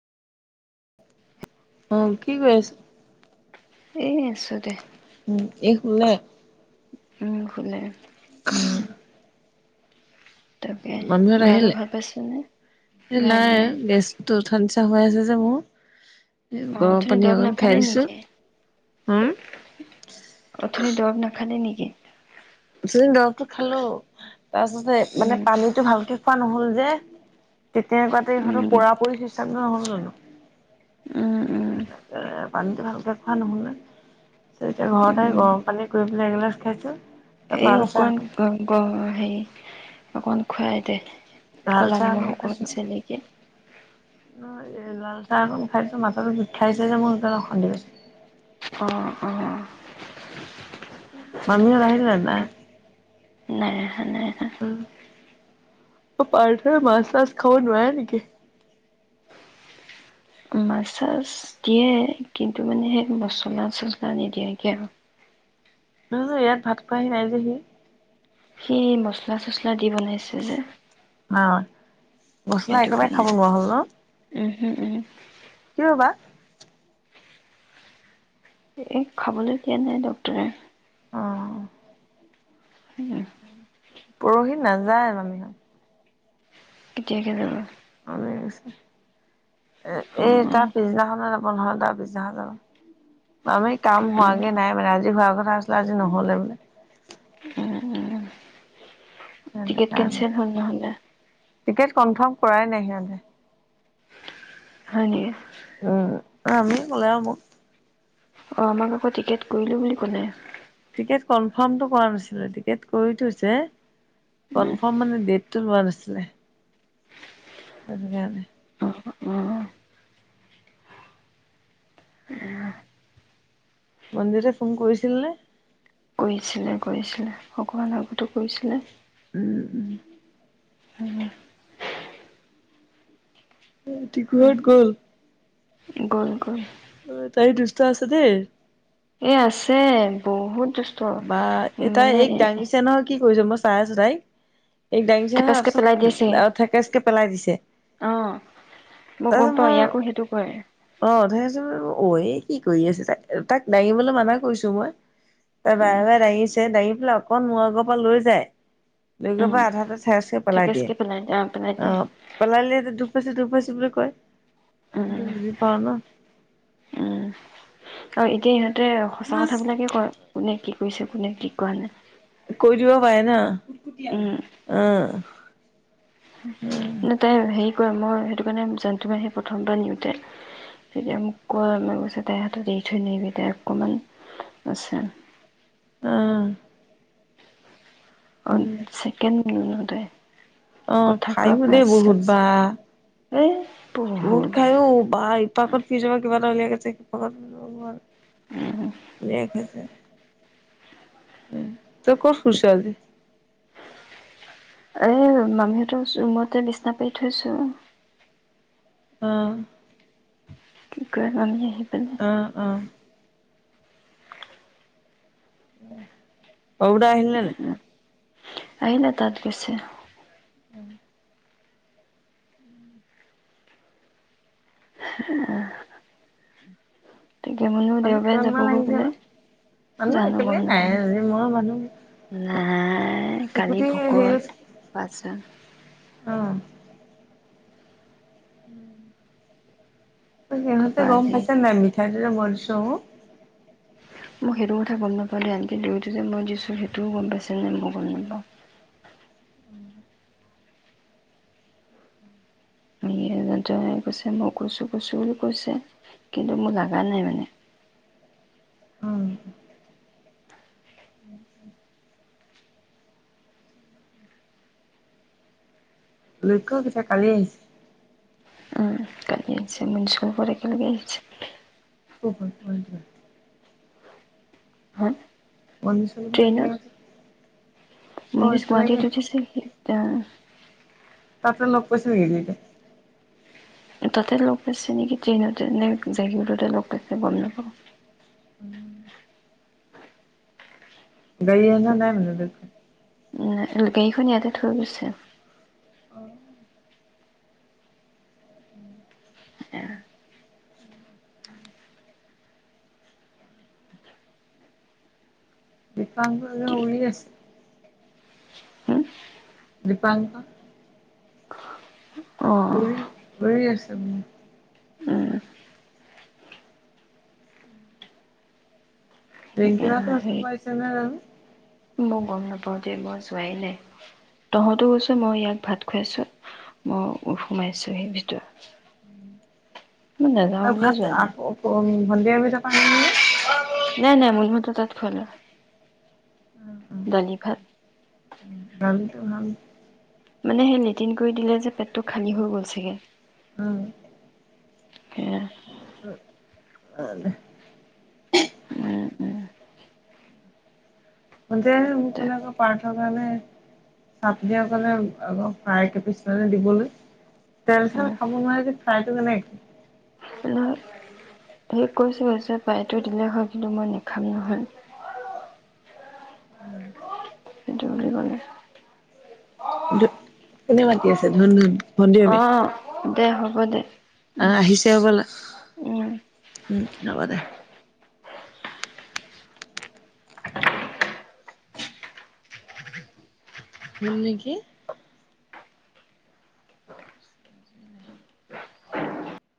আহ কি কৰি আছ এ আছো দে উম এই শুলে উম শুলে তাকে মানুহত গাতো আহিলে ভাল পাইছে নে নাই নাই হৈয় আছে যে মোৰ এ অ গৰম অথনি পানী দৰব অকন খাই নাখালে দিছো নিকি হম অথনি দৰব না খালে নি [inaudible] ওচনি দৰবটো খালো তাৰপিছতে উম মানে পানীটো ভালকে খোৱা নহ'ল যে তেতিয়াকুৱাতে উম ইহঁতৰ পুৰা পুৰি হিচাপ নহ'ল জানো উম উম পানীটো ভালকে খোৱা নহ'লে এতিয়া ঘৰত আহি উম গৰম পানী কৰি পেলাই এগিলাচ খাইছো এই লাল চাহ অকণ গ গ হেৰি অকণ খুৱাই দে লাল ক'লা চাহ নিমখ আকন অকণ খাইছো চেলেকি লাল চ চা অকন খাইছো মাথাটো বিষাইছে যে মোৰ সেইকাৰণে অশান্তি পাইছো অহ অ মামি হত আহিল নে নাই নাই নাই আহা উম অ পাৰ্থৰে মাছ চাছ খাব নোৱাৰে নেকি মাছ চাছ দিয়ে কিন্তু মানে সেই মছলা চছলা নিদিয়ে কে আৰু ন ন ইয়াত ভাত খোৱহি নাই যে হি সি মচলা চচলা দি বনাইছে যে অ মছলা একেবাৰে খাব নোৱাৰা হ'ল ন উ উম কিয় বা এ খাবলৈ দিয়া নাই ডক্তৰে অ উ পৰহি নাযায় মামিহত কেতিয়াকে যাবা হৈ আছে এ অ এ তাৰ পিছদিনাখনৰ [unintelligible] পিছদিনাখন যাব আমি কাম অ হোৱাগে নাই মানে আজি হোৱা আগত কথা চলা আজি নহ'লে বোলে। উ-উম। সেইটো টিকেট কাৰণে। কেনচেল হল নহলে। টিকেট কনফাৰ্ম কৰাই নাই সিহঁতে। হয় নেকি? আমি কলে মোক। অ', আমাক আকৌ টিকেট কৰিলো বুলি কলে। টিকেট কনফ্মটো কৰা নাছিলে, টিকেট কৰি থৈছে কনফম্ মানে ডেট লোৱা নাছিলে। অধ কাৰানে। অ অ মন্দিতে ফোন কৰিছিল নে? কৰিছিলে-কৰিছিলে, অকমান আগতো কৰিছিলে। উম, উম। উম। এ টিকুহত গল। গ'ল-গ'ল। অ', তাই দুুষ্ট আছে দে। এ আছে বহুত দুষ্ট বা এ তাই মানে এইক দাঙিছে নহয় কি কৰিছ মই চাই আছো তাইক। এই দাঙিচে হোৱাৰ থেপেচকে পিছত পেলাই দিয়ে চাগে থেকচকে পেলাই দিছে, অ গম তাৰপিছত পাওঁ মই ইয়াকো সেইটো কৰে অ', থেকচ অ কি কৰি আছে তাক-তাক দাঙিবলৈ মানা কৰিছো মই। তাই উম বাৰে-বাৰে দাঙিছে দাঙি পেলাই অকণ মই আগৰ পৰা লৈ যায়। লৈ গৈ উম পাই আধাতে চেচকে পেলাই দিয়ে। থেকেচকে দিয়ে পেলাই দিয়ে অ', পেলালে দুপাইচু-দুপাইচু বু হয়। উম [unintelligible] বুজি পাওঁ ন? অ একেই ততে সঁচা কথাবিলাকে কয়, কোনে কি? কৰিছে কোনে কি কোৱা নাই? কৰি দিব পাৰে ন? উম অ'। উম। তাই হেৰি কৰে, মই সেইটো কাৰণে জানটো মাহীয়ে সেই প্ৰথমবাৰ নিওঁতে তেতিয়া মোক কয় ম কৈছে তাইৰ হাতত এৰি থৈ নাহিবি, তাই অকণমান আছে। অ! অ ছেকেণ্ড তে অ খাইও দেই বহুত বা হে বহুত খাই ও বা ইপাকত ফ্ৰীজৰ পা কিবা এটা উলিয়াই গৈছে সিপাকত লে খাইছে উ তই কত শুইচ আজি এ মামীহতৰ ৰুমতে বিচনা পাৰি থৈছো। অ কি কয় লমি [unintelligible] অ' অ' উম সৰু দা আহিল নে নাই। আহিলে, তাত গৈছে। উম হে অ তেতিয়া মানো মানুহ দেওবাৰে কিমান যাব মান গৈ আহিছে বোলে। বা মানুহ জানো একেবাৰে গম নাই আজি মই মানুহ নাপাওঁ। নাই কালি চুকুটি হেৰি ভকত পাঁচজন। অ উম সিহঁতে তাৰপৰা গম আজি পাইছে নাই, মিঠাই হ বছ [unintelligible] মই সেইটো কথা গম নাপালে আনটি, দৈ টো যে মই দিছো সেইটোও গম পাইছে নে মই গম নাপাওঁ। কৈছে মই কৈছো কৈছো বুলি কৈছে, কিন্তু মোৰ লাগা নাই মানে। অ লক্ষ্য কেতিয়া কালি আহিছিল উম [unintelligible] একেলগে আহিছে বোলে অ য [unintelligible] হা বন চন বনাই কিনে ট্ৰেইনত মনীষ গুৱাহাটীত উঠিছিল এতিয়া লগ পাইছে নেকি সিহঁতে? তাতে লগ পাইছে নেকি ট্ৰেইনতে, নে জাগীৰোডতে লগ পাইছে গম নাপাওঁ। দুইটাই গৈ এ [unintelligible] নাই মানে নেদেখোঁ। উ গাড়ীখন ইয়াতে থৈ গৈছে। অ এয়া বিপাংক যে কি উৰি এ আছে। দীপাংক অ উৰি আছে। উম নেংকি [unintelligible] কষ্ট্ হেৰি পাইচনে বাৰু। মই গম নাপাওদে মই যোৱাই নাই, তহঁতো গৈছো মই ইয়াক ভাত খুৱাইছো, মই সোমাইছো সেই ভিতৰত। মই ত নাযাওঁ বুলিয়ে ঘাত যোৱা নাই আঁ-ক ভলীয়া বি দকাান ন নে [unintelligible] নাই নাই মূল মত তাঁত খোৱা নাই গালিটো ডালি ভাত। ইটো হম মানে সেই লেটিন কৰি দিলে যে পেট খালি হৈ গ'ল চাগে। উম। কিয়া হে? উম অ দে। উম উম মন যেহে মোক কোনেক পাৰ ণে চাত দ কাৰণে আকৌ ফ্ৰাই কেে পিছে দিবলৈ তেল চল খাব নোৱাৰ যে ফ্ৰাই টো কেনেকে [unintelligible] হয় কৰিছে গছে পাইটো দিলেই হয় কিন্তু মই নেখাম নহ'য়। সেইটো বুলি কলে। জুত কোনে মাতি আছে ধুন ধুন। ভণ্টি অ আমি দে হব। হ'য় দে উম আহ আহিছে অ বোলা উম উম যাবা দে সোণ তাম নেকি